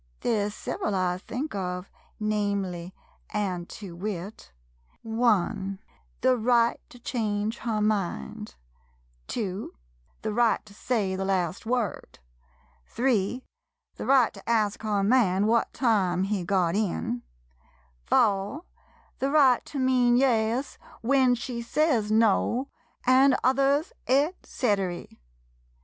There 's several I think of — namely an' to wit: i, the right to change her mind — 2, the right to say the last word — 3, the right to ask her man what time he got in — 4, the right to mean yes 9 121 MODERN MONOLOGUES when she says no, and others, etcetry.